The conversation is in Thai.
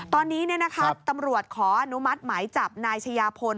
ตอนนี้นะครับตำรวจขออนุมัติไหมจับนายชยาพล